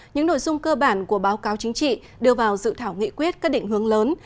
những nội dung cơ bản của báo cáo chính trị đưa vào dự thảo nghị quyết các định hướng lớn